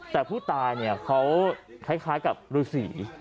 แต่ผู้ตายเนี่ยเขาคล้ายกับฤษี